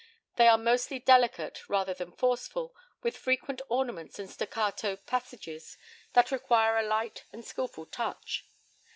They are mostly delicate rather than forceful, with frequent ornaments and staccato passages that require a light and skilful touch.